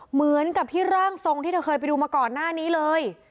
เหมือนกับที่ร่างทรงที่เธอเคยไปดูมาก่อนหน้านี้เลย